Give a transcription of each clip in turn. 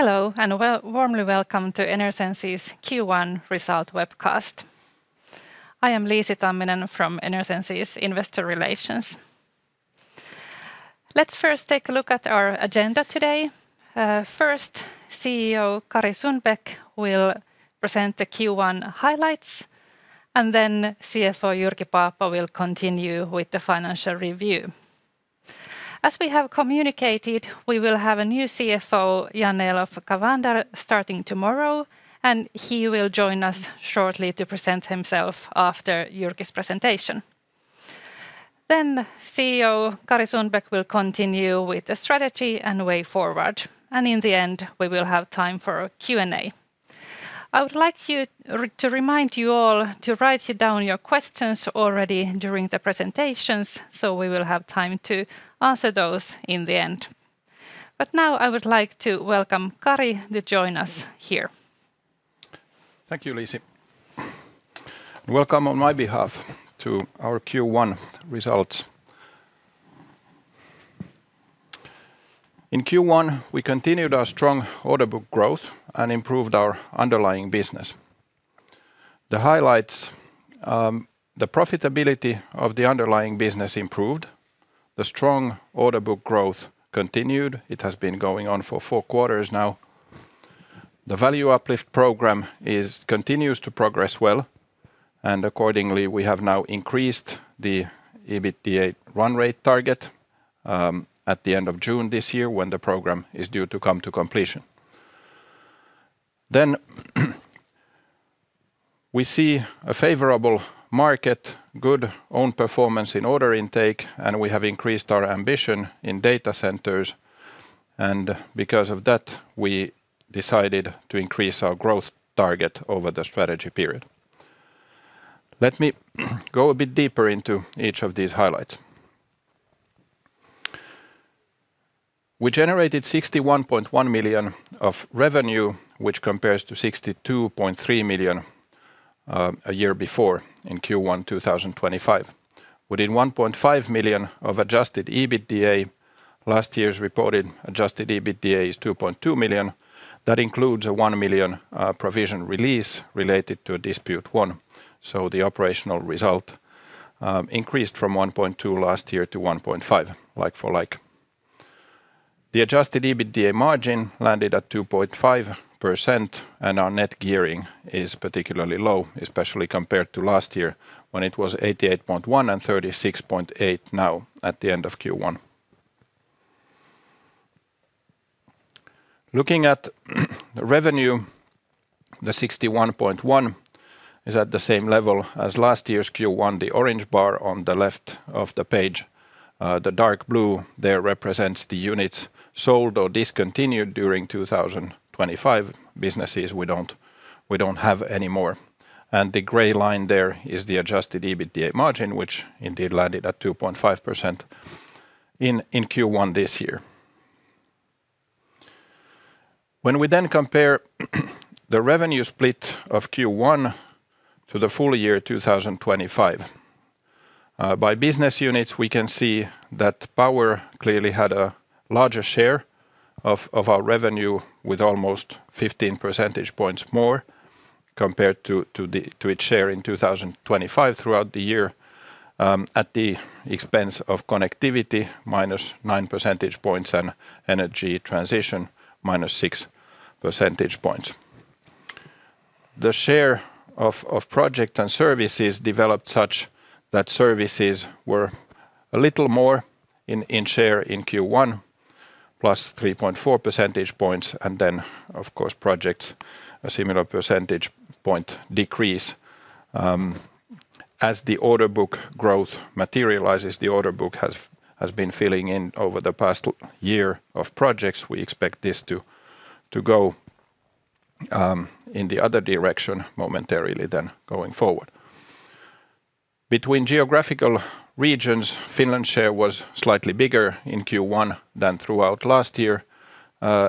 Hello, a warmly welcome to Enersense's Q1 result webcast. I am Liisi Tamminen from Enersense Investor Relations. Let's first take a look at our agenda today. First CEO Kari Sundbäck will present the Q1 highlights. Then CFO Jyrki Paappa will continue with the financial review. As we have communicated, we will have a new CFO, Jan-Elof Cavander, starting tomorrow. He will join us shortly to present himself after Jyrki's presentation. Then CEO Kari Sundbäck will continue with the strategy and way forward. In the end, we will have time for a Q&A. I would like to remind you all to write down your questions already during the presentations. We will have time to answer those in the end. Now, I would like to welcome Kari to join us here. Thank you, Liisi. Welcome on my behalf to our Q1 results. In Q1, we continued our strong order book growth and improved our underlying business. The highlights, the profitability of the underlying business improved. The strong order book growth continued. It has been going on for four quarters now. The Value Uplift program continues to progress well, and accordingly, we have now increased the EBITDA run rate target at the end of June this year when the program is due to come to completion. We see a favorable market, good own performance in order intake, and we have increased our ambition in data centers. Because of that, we decided to increase our growth target over the strategy period. Let me go a bit deeper into each of these highlights. We generated 61.1 million of revenue, which compares to 62.3 million a year before in Q1 2025. Within 1.5 million of Adjusted EBITDA, last year's reported Adjusted EBITDA is 2.2 million. That includes a 1 million provision release related to a dispute won. The operational result increased from 1.2 last year to 1.5 like-for-like. The Adjusted EBITDA margin landed at 2.5%, and our net gearing is particularly low, especially compared to last year when it was 88.1% and 36.8% now at the end of Q1. Looking at the revenue, the 61.1 is at the same level as last year's Q1, the orange bar on the left of the page. The dark blue there represents the units sold or discontinued during 2025. Businesses we don't have anymore. The gray line there is the Adjusted EBITDA margin, which indeed landed at 2.5% in Q1 this year. We then compare the revenue split of Q1 to the full year 2025, by business units, we can see that Power clearly had a larger share of our revenue with almost 15 percentage points more compared to its share in 2025 throughout the year, at the expense of Connectivity -9 percentage points and Energy Transition -6 percentage points. The share of project and services developed such that services were a little more in share in Q1, plus 3.4 percentage points, and then of course projects a similar percentage point decrease. As the order book growth materializes, the order book has been filling in over the past last year of projects. We expect this to go in the other direction momentarily than going forward. Between geographical regions, Finland's share was slightly bigger in Q1 than throughout last year,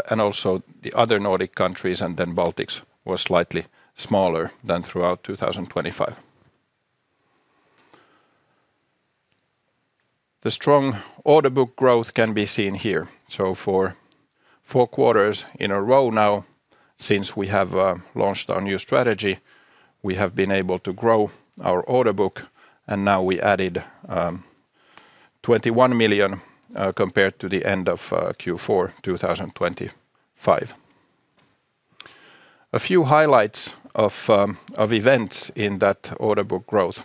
and also the other Nordic countries, and then Baltics was slightly smaller than throughout 2025. The strong order book growth can be seen here. For four quarters in a row now, since we have launched our new strategy, we have been able to grow our order book, and now we added 21 million compared to the end of Q4 2025. A few highlights of events in that order book growth.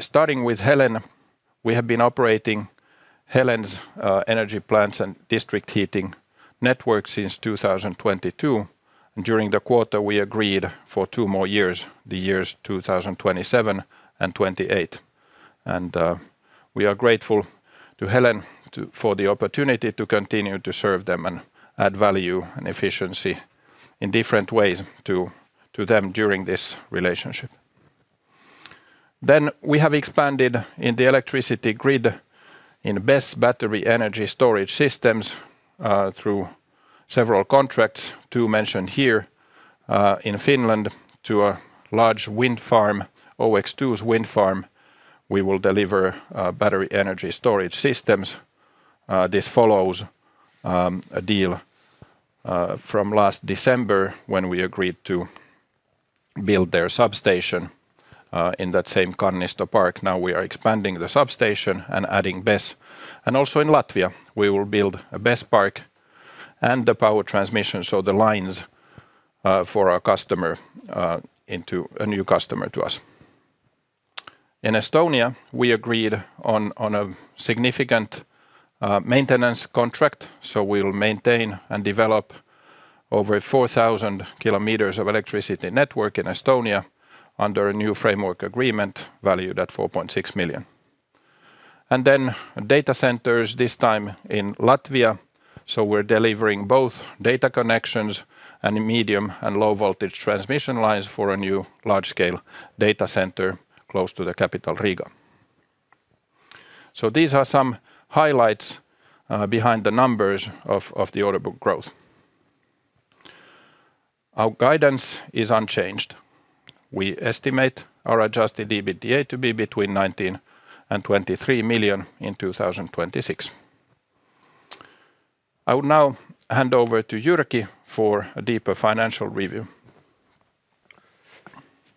Starting with Helen, we have been operating Helen's energy plants and district heating network since 2022, and during the quarter we agreed for two more years, the years 2027 and 2028. We are grateful to Helen for the opportunity to continue to serve them and add value and efficiency in different ways to them during this relationship. We have expanded in the electricity grid in BESS battery energy storage systems, through several contracts, two mentioned here, in Finland to a large wind farm, OX2's wind farm. We will deliver battery energy storage systems. This follows a deal from last December when we agreed to build their substation in that same Kannisto Park. We are expanding the substation and adding BESS. Also in Latvia, we will build a BESS park and the power transmission, so the lines, for our customer, into a new customer to us. In Estonia, we agreed on a significant maintenance contract, so we'll maintain and develop over 4,000 km of electricity network in Estonia under a new framework agreement valued at 4.6 million. Data centers, this time in Latvia. We're delivering both data connections and medium and low-voltage transmission lines for a new large-scale data center close to the capital, Riga. These are some highlights behind the numbers of the order book growth. Our guidance is unchanged. We estimate our Adjusted EBITDA to be between 19 million and 23 million in 2026. I will now hand over to Jyrki for a deeper financial review.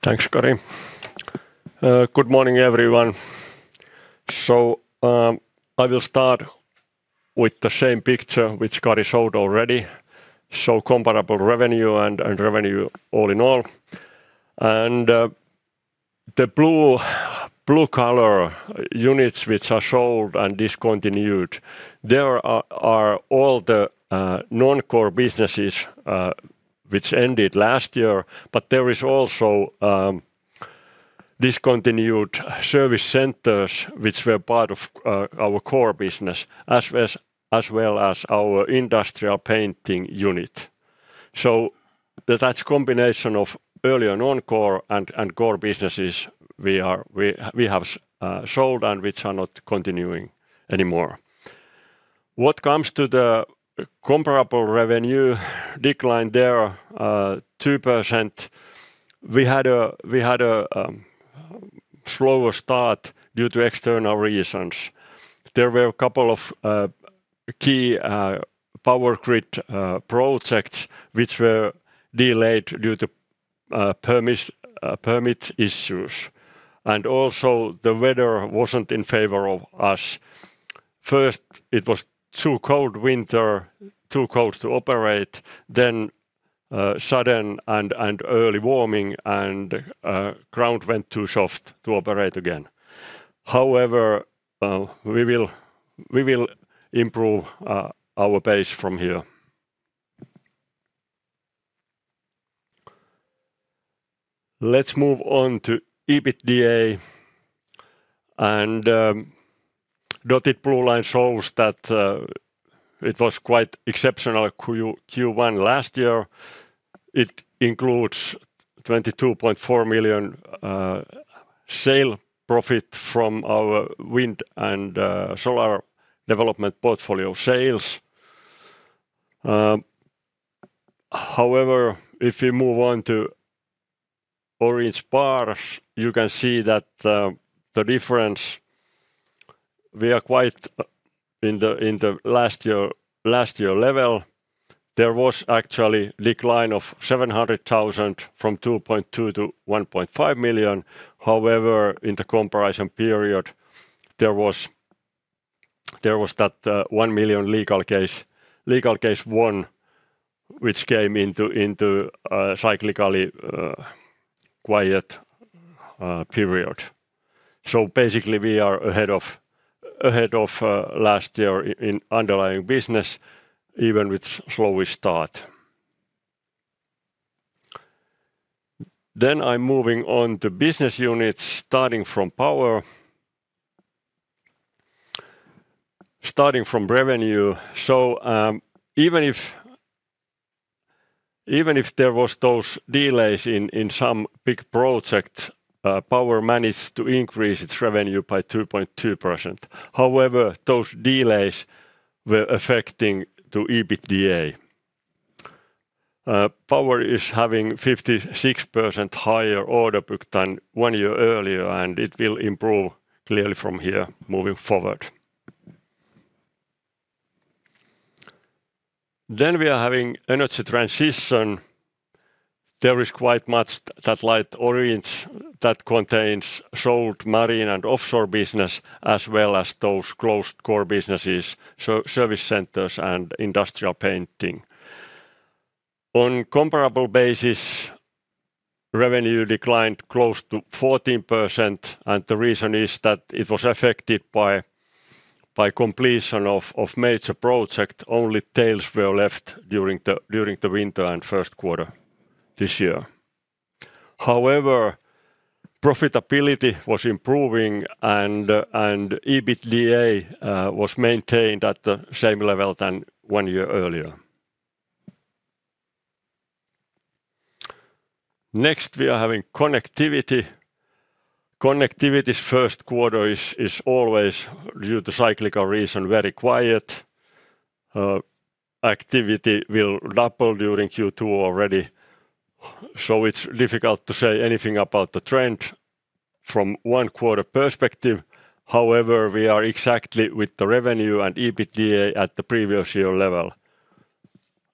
Thanks, Kari. Good morning, everyone. I will start with the same picture which Kari showed already. Comparable revenue all in all. The blue color units which are sold and discontinued, there are all the non-core businesses which ended last year. There is also discontinued service centers which were part of our core business, as well as our industrial painting unit. That combination of earlier non-core and core businesses, we have sold and which are not continuing anymore. What comes to the comparable revenue decline there, 2%. We had a slower start due to external reasons. There were a couple of key power grid projects which were delayed due to permit issues. The weather wasn't in favor of us. First, it was too cold winter, too cold to operate, then, sudden and early warming and, ground went too soft to operate again. However, we will improve our pace from here. Let's move on to EBITDA. Dotted blue line shows that it was quite exceptional Q1 last year. It includes 22.4 million sale profit from our wind and solar development portfolio sales. However, if you move on to orange bars, you can see that the difference, we are quite in the last year level. There was actually decline of 700,000 from 2.2 million to 1.5 million. In the comparison period, there was that 1 million legal case won, which came into a cyclically quiet period. Basically, we are ahead of last year in underlying business, even with slow start. I'm moving on to business units, starting from Power. Starting from revenue. Even if there was those delays in some big project, Power managed to increase its revenue by 2.2%. Those delays were affecting to EBITDA. Power is having 56% higher order book than one year earlier, and it will improve clearly from here moving forward. We are having Energy Transition. There is quite much that light orange that contains sold marine and offshore business, as well as those closed core businesses, service centers and industrial painting. On comparable basis, revenue declined close to 14%. The reason is that it was affected by completion of major project. Only tails were left during the winter and first quarter this year. However, profitability was improving and EBITDA was maintained at the same level than one year earlier. Next, we are having Connectivity. Connectivity's first quarter is always, due to cyclical reason, very quiet. Activity will double during Q2 already. It's difficult to say anything about the trend from one quarter perspective. However, we are exactly with the revenue and EBITDA at the previous year level.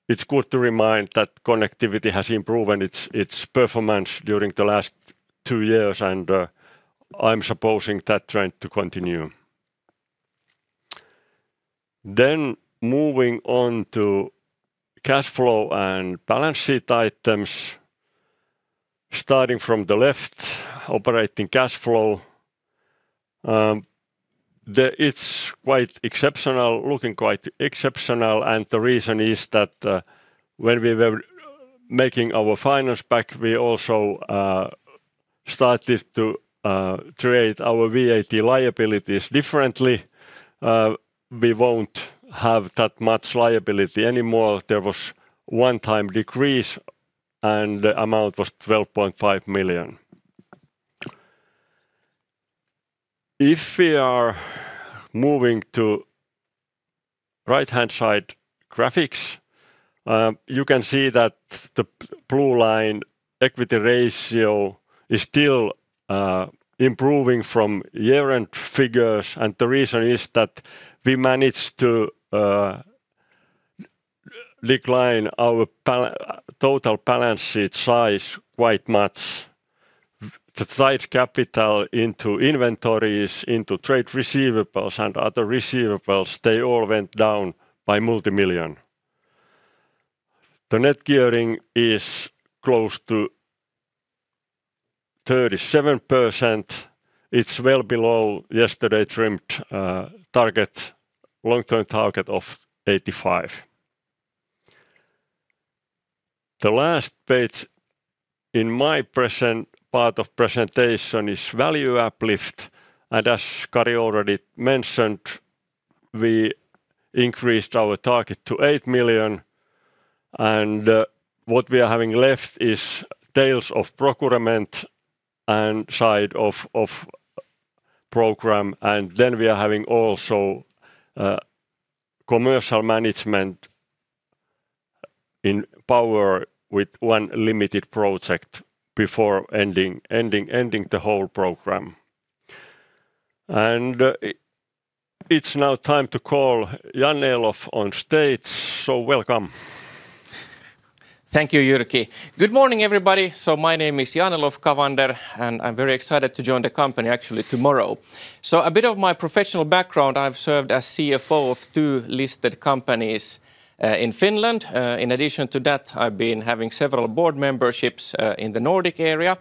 It's good to remind that Connectivity has improved, and its performance during the last two years, and I'm supposing that trend to continue. Moving on to cash flow and balance sheet items. Starting from the left, operating cash flow. It's quite exceptional, looking quite exceptional. The reason is that when we were making our finance back, we also started to trade our VAT liabilities differently. We won't have that much liability anymore. There was one-time decrease. The amount was EUR 12.5 million. If we are moving to right-hand side graphics, you can see that the blue line equity ratio is still improving from year-end figures. The reason is that we managed to decline our total balance sheet size quite much. The tied capital into inventories, into trade receivables and other receivables, they all went down by multi-million. The net gearing is close to 37%. It's well below yesterday trimmed target, long-term target of 85%. The last page in my part of presentation is Value Uplift. As Kari already mentioned, we increased our target to 8 million. What we are having left is tails of procurement and side of program. We are having also commercial management in Power with one limited project before ending the whole program. It's now time to call Jan-Elof on stage, so welcome. Thank you, Jyrki. Good morning, everybody. My name is Jan-Elof Cavander, and I'm very excited to join the company actually tomorrow. A bit of my professional background, I've served as CFO of two listed companies in Finland. In addition to that, I've been having several board memberships in the Nordic area,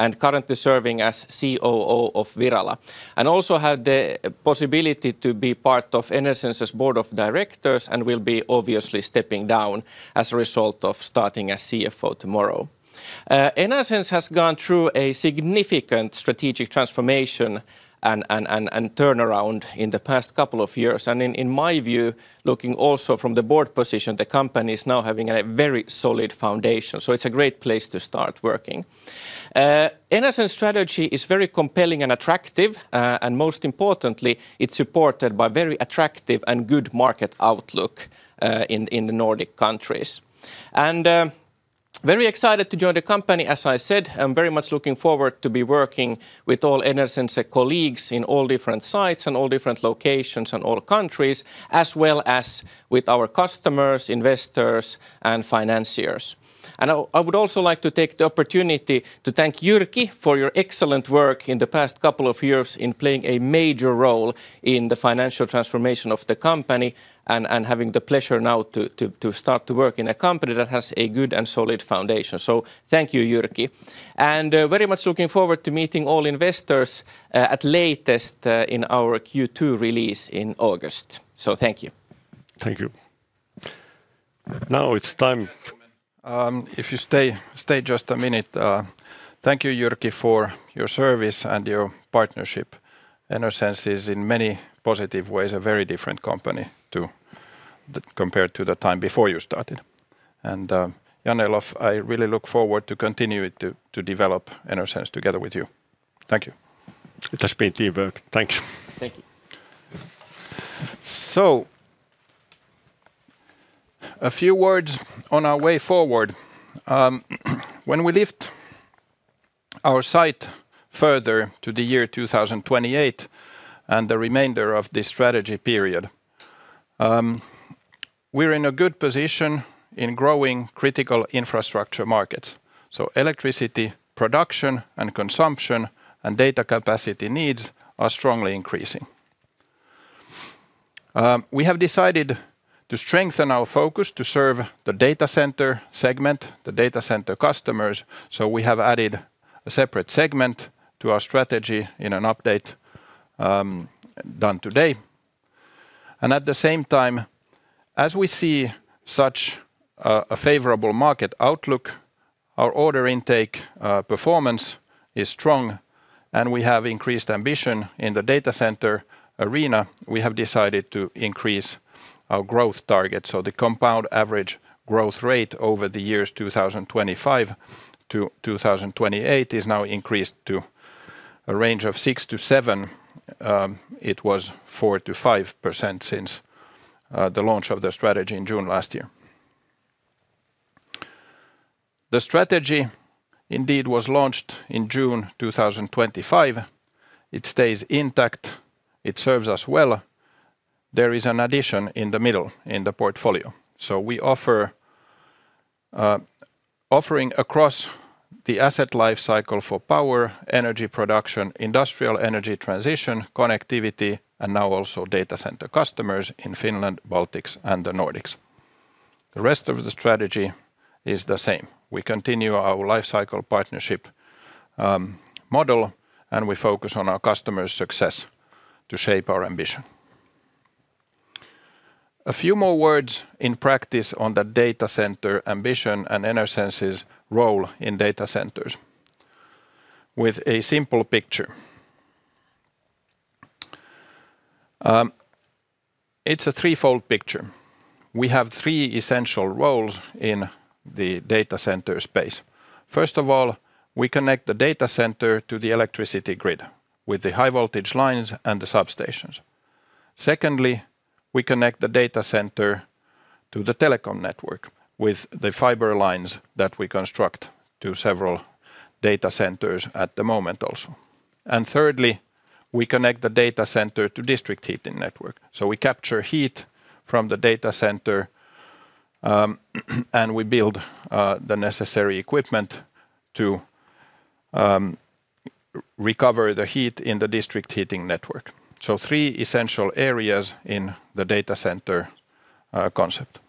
and currently serving as COO of Virala. Also have the possibility to be part of Enersense's board of directors and will be obviously stepping down as a result of starting as CFO tomorrow. Enersense has gone through a significant strategic transformation and turnaround in the past couple of years. In my view, looking also from the board position, the company is now having a very solid foundation, so it's a great place to start working. Enersense strategy is very compelling and attractive, and most importantly, it's supported by very attractive and good market outlook in the Nordic countries. Very excited to join the company. As I said, I'm very much looking forward to be working with all Enersense colleagues in all different sites and all different locations and all countries, as well as with our customers, investors and financiers. I would also like to take the opportunity to thank Jyrki for your excellent work in the past couple of years in playing a major role in the financial transformation of the company and having the pleasure now to start to work in a company that has a good and solid foundation. Thank you, Jyrki. Very much looking forward to meeting all investors, at latest, in our Q2 release in August. Thank you. Thank you. If you stay just a minute. Thank you, Jyrki, for your service and your partnership. Enersense is in many positive ways a very different company compared to the time before you started. Jan-Elof, I really look forward to continue to develop Enersense together with you. Thank you. It has been a teamwork. Thanks. Thank you. A few words on our way forward. When we lift our sight further to the year 2028 and the remainder of this strategy period, we're in a good position in growing critical infrastructure markets. Electricity production and consumption and data capacity needs are strongly increasing. We have decided to strengthen our focus to serve the data center segment, the data center customers, so we have added a separate segment to our strategy in an update, done today. At the same time, as we see such a favorable market outlook, our order intake performance is strong, and we have increased ambition in the data center arena. We have decided to increase our growth target. The compound average growth rate over the years 2025-2028 is now increased to a range of 6%-7%. It was 4%-5% since the launch of the strategy in June last year. The strategy indeed was launched in June 2025. It stays intact. It serves us well. There is an addition in the middle, in the portfolio. Offering across the asset life cycle for power, energy production, industrial energy transition, connectivity, and now also data center customers in Finland, Baltics, and the Nordics. The rest of the strategy is the same. We continue our life cycle partnership model, and we focus on our customers' success to shape our ambition. A few more words in practice on the data center ambition and Enersense's role in data centers with a simple picture. It's a threefold picture. We have three essential roles in the data center space. First of all, we connect the data center to the electricity grid with the high voltage lines and the substations. Secondly, we connect the data center to the telecom network with the fiber lines that we construct to several data centers at the moment also. Thirdly, we connect the data center to district heating network. We capture heat from the data center, and we build the necessary equipment to recover the heat in the district heating network. Three essential areas in the data center concept.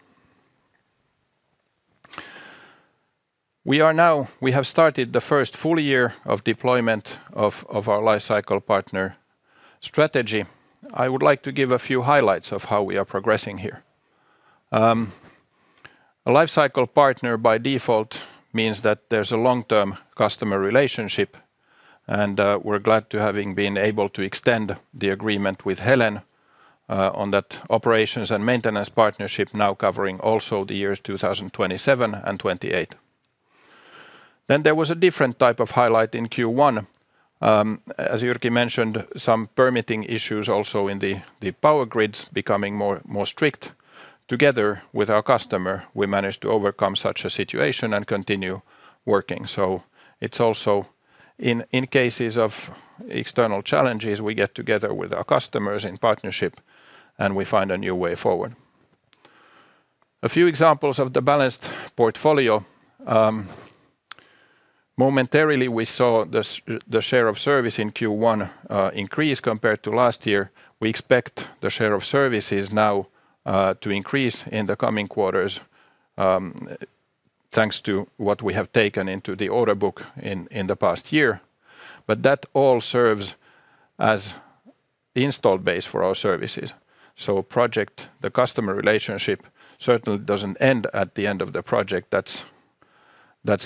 We have started the first full year of deployment of our lifecycle partner strategy. I would like to give a few highlights of how we are progressing here. A lifecycle partner by default means that there's a long-term customer relationship, and we're glad to having been able to extend the agreement with Helen on that operations and maintenance partnership now covering also the years 2027 and 2028. There was a different type of highlight in Q1. As Jyrki mentioned, some permitting issues also in the power grids becoming more strict. Together with our customer, we managed to overcome such a situation and continue working. It's also in cases of external challenges, we get together with our customers in partnership, and we find a new way forward. A few examples of the balanced portfolio. Momentarily, we saw the share of service in Q1 increase compared to last year. We expect the share of services now to increase in the coming quarters, thanks to what we have taken into the order book in the past year. That all serves as the install base for our services. A project, the customer relationship certainly doesn't end at the end of the project. That's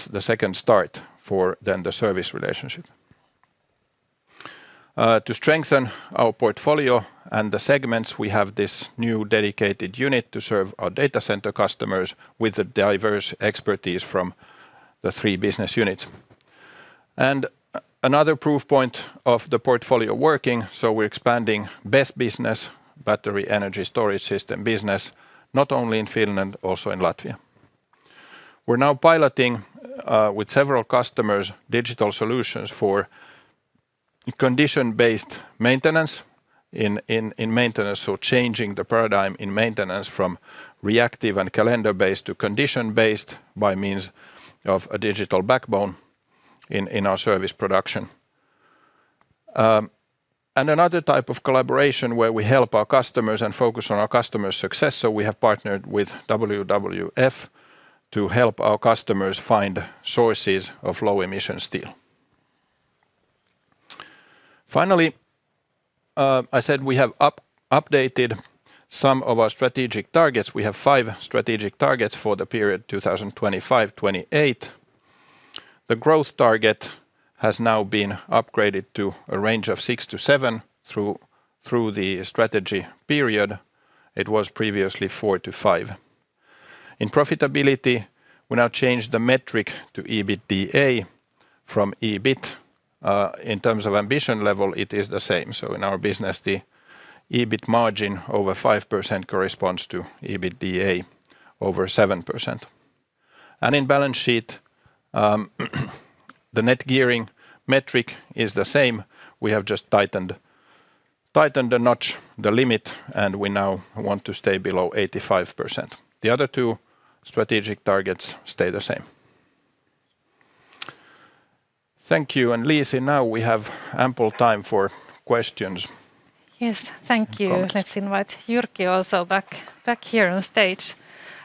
the second start for then the service relationship. To strengthen our portfolio and the segments, we have this new dedicated unit to serve our data center customers with the diverse expertise from the three business units. Another proof point of the portfolio working, we're expanding BESS business, battery energy storage system business, not only in Finland, also in Latvia. We're now piloting with several customers digital solutions for condition-based maintenance in maintenance, so changing the paradigm in maintenance from reactive and calendar-based to condition-based by means of a digital backbone in our service production. Another type of collaboration where we help our customers and focus on our customers' success, so we have partnered with WWF to help our customers find sources of low emission steel. Finally, I said we have updated some of our strategic targets. We have five strategic targets for the period 2025-2028. The growth target has now been upgraded to a range of 6%-7% through the strategy period. It was previously 4%-5%. In profitability, we now change the metric to EBITDA from EBIT. In terms of ambition level, it is the same. In our business, the EBIT margin over 5% corresponds to EBITDA over 7%. In balance sheet, the net gearing metric is the same. We have just tightened a notch the limit, we now want to stay below 85%. The other two strategic targets stay the same. Thank you. Liisi, now we have ample time for questions. Yes. Thank you. Let's invite Jyrki also back here on stage.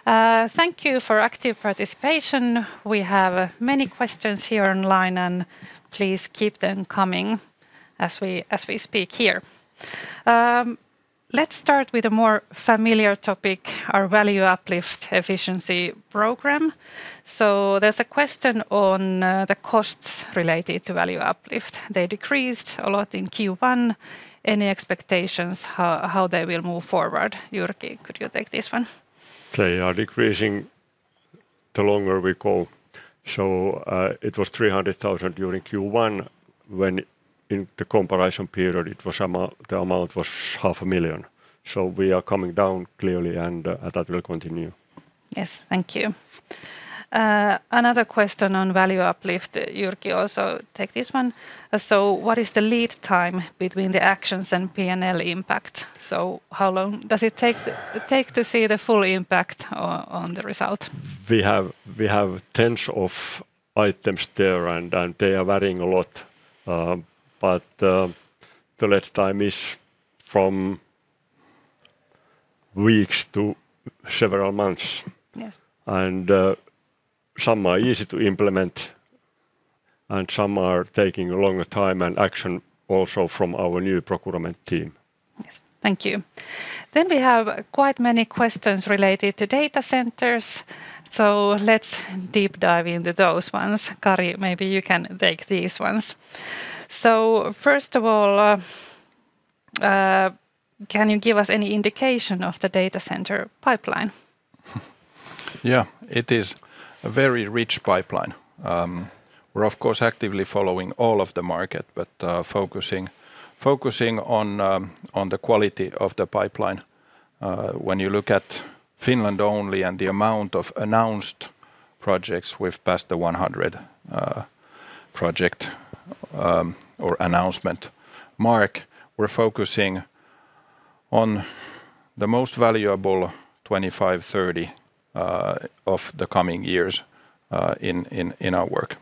Thank you for active participation. We have many questions here online, and please keep them coming as we speak here. Let's start with a more familiar topic, our Value Uplift efficiency program. There's a question on the costs related to Value Uplift. They decreased a lot in Q1. Any expectations how they will move forward? Jyrki, could you take this one? They are decreasing. The longer we go. It was 300,000 during Q1 when in the comparison period it was the amount was 500,000. We are coming down clearly, and that will continue. Yes. Thank you. another question on Value Uplift. Jyrki, also take this one. What is the lead time between the actions and P&L impact? How long does it take to see the full impact on the result? We have tens of items there, and they are varying a lot. The lead time is from weeks to several months. Yes. Some are easy to implement, and some are taking a longer time, and action also from our new procurement team. Yes. Thank you. We have quite many questions related to data centers, let's deep dive into those ones. Kari, maybe you can take these ones. First of all, can you give us any indication of the data center pipeline? Yeah. It is a very rich pipeline. We're of course actively following all of the market, but focusing on the quality of the pipeline. When you look at Finland only and the amount of announced projects, we've passed the 100 project or announcement mark. We're focusing on the most valuable 25, 30 of the coming years in our work.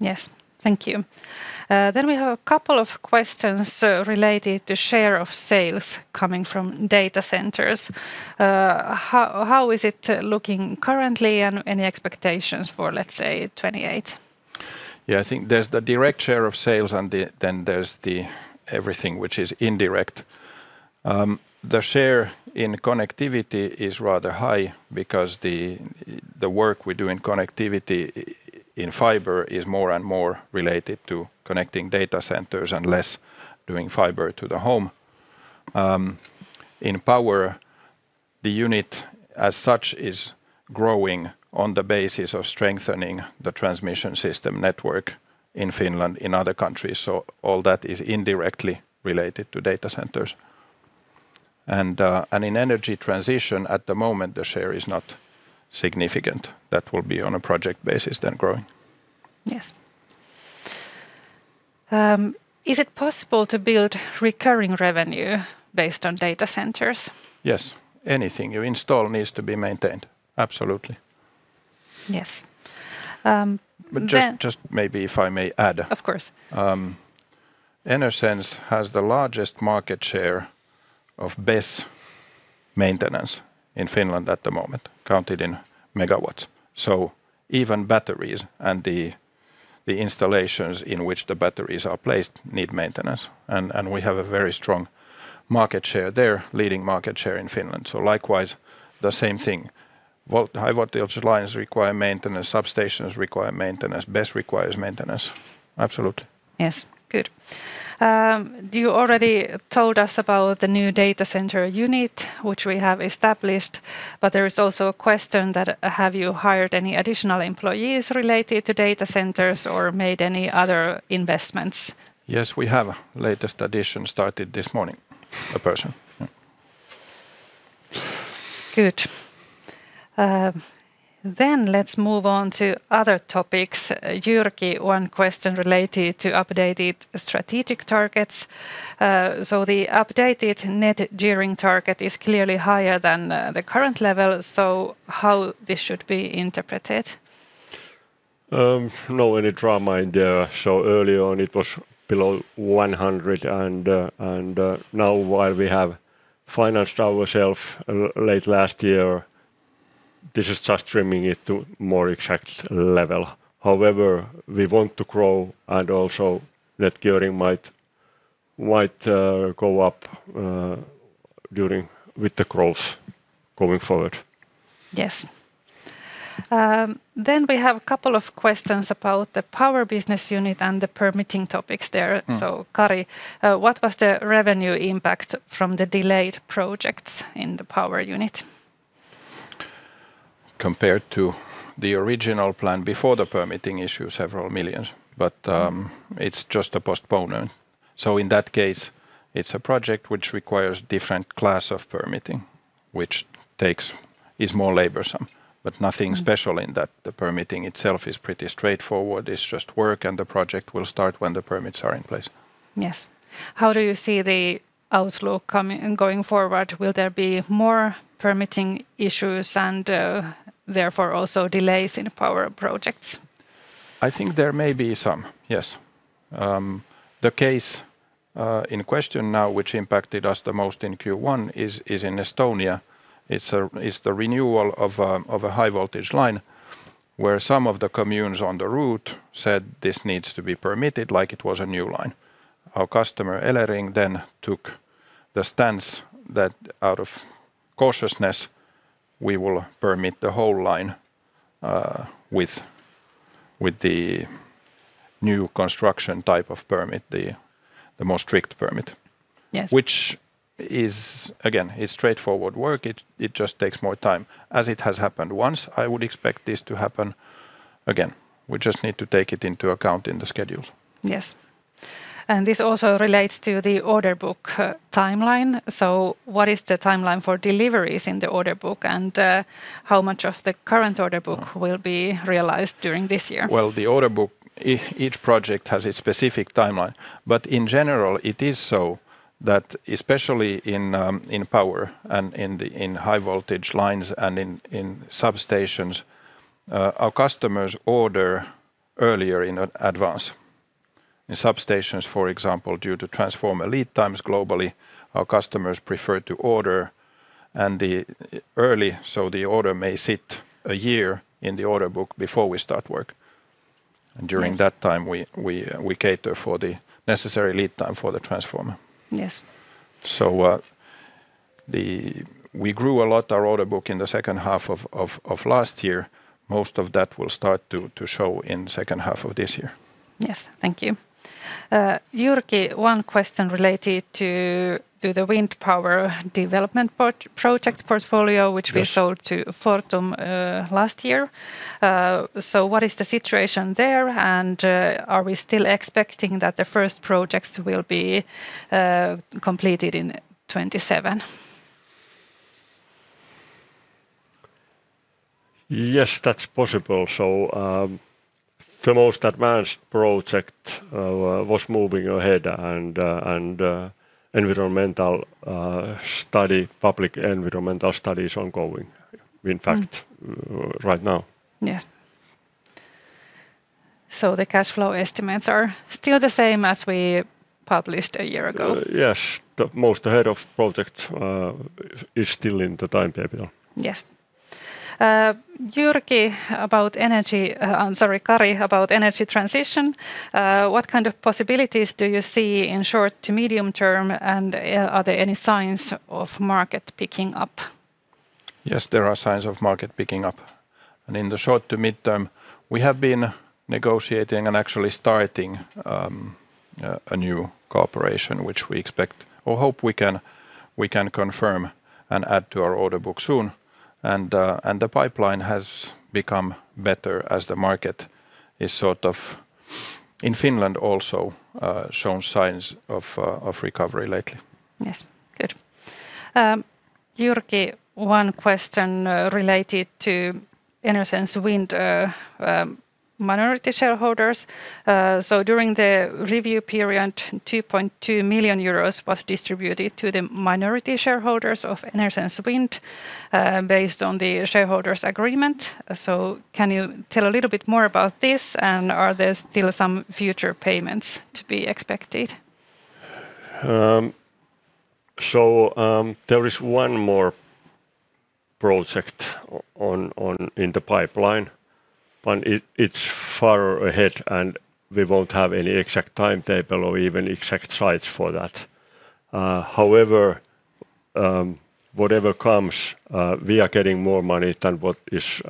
Yes. Thank you. We have a couple of questions, related to share of sales coming from data centers. How is it looking currently, and any expectations for, let's say, 2028? Yeah, I think there's the direct share of sales and then there's the everything which is indirect. The share in Connectivity is rather high because the work we do in Connectivity in fiber is more and more related to connecting data centers and less doing fiber to the home. In Power, the unit as such is growing on the basis of strengthening the transmission system network in Finland, in other countries. All that is indirectly related to data centers. In Energy Transition, at the moment, the share is not significant. That will be on a project basis, then growing. Yes. Is it possible to build recurring revenue based on data centers? Yes. Anything you install needs to be maintained. Absolutely. Yes. Just maybe if I may add. Of course. Enersense has the largest market share of BESS maintenance in Finland at the moment, counted in megawatts. Even batteries and the installations in which the batteries are placed need maintenance, and we have a very strong market share there, leading market share in Finland. Likewise, the same thing. High voltage lines require maintenance, substations require maintenance, BESS requires maintenance. Absolutely. Yes. Good. You already told us about the new data center unit, which we have established. There is also a question that have you hired any additional employees related to data centers or made any other investments? Yes, we have. Latest addition started this morning, a person. Good. Let's move on to other topics. Jyrki, one question related to updated strategic targets. The updated net gearing target is clearly higher than the current level, so how this should be interpreted? No any drama in there. Earlier on it was below 100%, and now while we have financed ourself late last year, this is just trimming it to more exact level. However, we want to grow, and also net gearing might go up during with the growth going forward. Yes. We have a couple of questions about the Power business unit and the permitting topics there. Kari, what was the revenue impact from the delayed projects in the Power unit? Compared to the original plan before the permitting issue, several million euros. It's just a postponement. In that case, it's a project which requires different class of permitting, which is more laborsome. Nothing special in that, the permitting itself is pretty straightforward. It's just work, and the project will start when the permits are in place. Yes. How do you see the outlook going forward? Will there be more permitting issues and therefore also delays in power projects? I think there may be some, yes. The case in question now, which impacted us the most in Q1, is in Estonia. It's the renewal of a high voltage line, where some of the communes on the route said this needs to be permitted like it was a new line. Our customer, Elering, then took the stance that out of cautiousness, we will permit the whole line with the new construction type of permit, the more strict permit. Yes. Which is, again, it's straightforward work. It just takes more time. As it has happened once, I would expect this to happen again. We just need to take it into account in the schedules. Yes, this also relates to the order book, timeline, so what is the timeline for deliveries in the order book, and how much of the current order book will be realized during this year? Well, the order book, each project has a specific timeline, but in general it is so that especially in power and in high voltage lines and in substations, our customers order earlier in advance. In substations, for example, due to transformer lead times globally, our customers prefer to order and the early so the order may sit a year in the order book before we start work. Yes. During that time we cater for the necessary lead time for the transformer. Yes. We grew a lot our order book in the second half of last year. Most of that will start to show in second half of this year. Yes. Thank you. Jyrki, one question related to the wind power development project portfolio- Yes.... which we sold to Fortum, last year. What is the situation there, and are we still expecting that the first projects will be completed in 2027? Yes, that's possible. The most advanced project was moving ahead and environmental study, public environmental study is ongoing in fact. Right now. Yes. The cash flow estimates are still the same as we published a year ago? Yes. The most ahead of project is still in the timetable. Yes. Jyrki, about energy, I'm sorry, Kari, about Energy Transition, what kind of possibilities do you see in short to medium term, and, are there any signs of market picking up? Yes, there are signs of market picking up, and in the short to midterm we have been negotiating and actually starting, a new cooperation which we expect or hope we can confirm and add to our order book soon. The pipeline has become better as the market is sort of, in Finland also, shown signs of recovery lately. Yes. Good. Jyrki, one question, related to Enersense Wind, minority shareholders. During the review period 2.2 million euros was distributed to the minority shareholders of Enersense Wind, based on the shareholders' agreement. Can you tell a little bit more about this, and are there still some future payments to be expected? There is one more project in the pipeline, but it's far ahead, and we won't have any exact timetable or even exact sites for that. However, whatever comes, we are getting more money than what is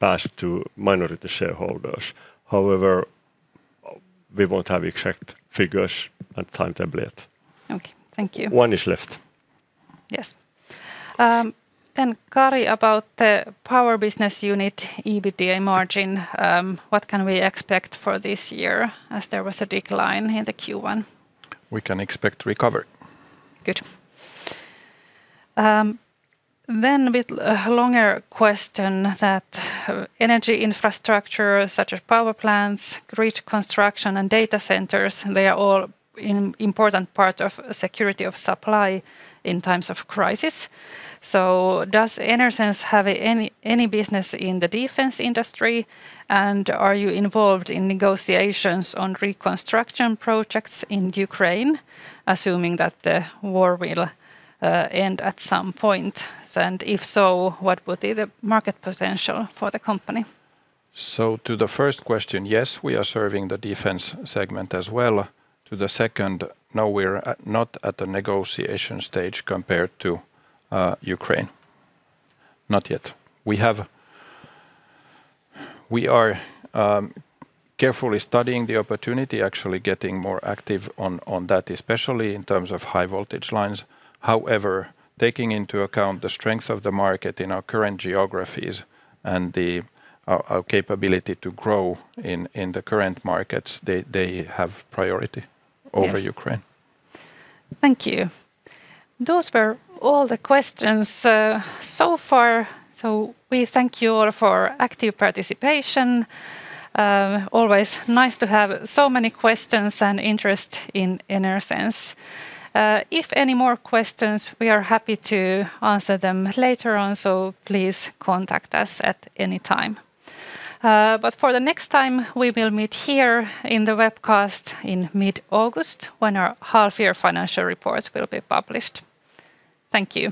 passed to minority shareholders. However, we won't have exact figures and timetable yet. Okay. Thank you. One is left. Yes. Kari, about the Power business unit EBITDA margin, what can we expect for this year as there was a decline in the Q1? We can expect recovery. Good. With a longer question that energy infrastructure such as power plants, grid construction and data centers, they are all an important part of security of supply in times of crisis. Does Enersense have any business in the defense industry, and are you involved in negotiations on reconstruction projects in Ukraine, assuming that the war will end at some point? If so, what would be the market potential for the company? To the first question, yes, we are serving the defense segment as well. To the second, no, we are not at the negotiation stage compared to Ukraine. Not yet. We are carefully studying the opportunity, actually getting more active on that, especially in terms of high voltage lines. Taking into account the strength of the market in our current geographies and our capability to grow in the current markets, they have priority over Ukraine. Yes. Thank you. Those were all the questions so far. We thank you all for active participation. Always nice to have so many questions and interest in Enersense. If any more questions, we are happy to answer them later on, so please contact us at any time. For the next time, we will meet here in the webcast in mid-August when our half-year financial reports will be published. Thank you.